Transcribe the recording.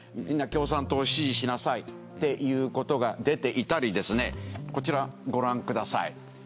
みんな共産党を支持しなさいっていうことが出ていたりですねこちらご覧ください。